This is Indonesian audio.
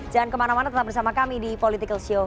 jangan kemana mana tetap bersama kami di political show